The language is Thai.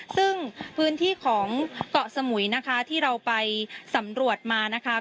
ซึ่งพื้นที่ของเกาะสมุยนะคะที่เราไปสำรวจมานะคะ